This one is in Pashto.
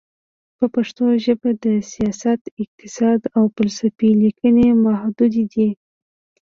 په پښتو ژبه د سیاست، اقتصاد، او فلسفې لیکنې محدودې دي.